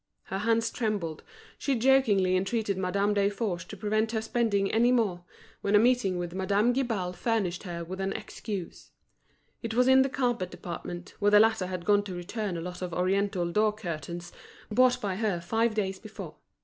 Her hands trembled, she jokingly entreated Madame Desforges to prevent her spending any more, when a meeting with Madame Guibal furnished her with an excuse. It was in the carpet department, where the latter had gone to return a lot of Oriental door curtains bought by her five days before.